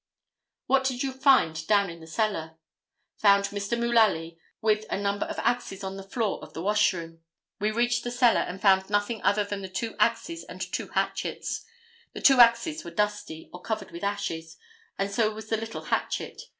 "What did you find down in the cellar?" "Found Mr. Mullaly, with a number of axes on the floor of the washroom. We reached the cellar, and found nothing other than the two axes and two hatchets. The two axes were dusty, or covered with ashes, and so was the little hatchet.